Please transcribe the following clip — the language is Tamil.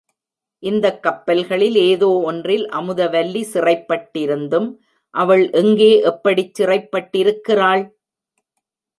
இந்தக் கப்பல்களில் ஏதோ ஒன்றில் அமுத வல்லி சிறைப்பட்டிருந்தும் அவள் எங்கே எப்படிச் சிறைப்பட்டிருக்கிறாள்?